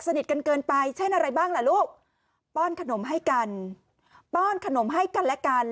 กันเกินไปเช่นอะไรบ้างล่ะลูกป้อนขนมให้กันป้อนขนมให้กันและกัน